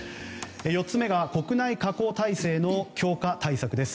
４つ目が国内加工体制の強化対策です。